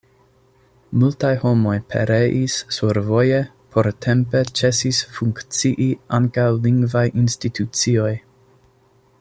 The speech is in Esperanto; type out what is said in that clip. Multaj homoj pereis survoje, portempe ĉesis funkcii ankaŭ lingvaj institucioj.